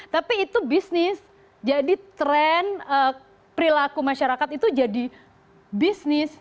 tapi itu bisnis jadi tren perilaku masyarakat itu jadi bisnis